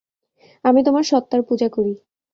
আমি তোমার সত্তার পূঁজা করি।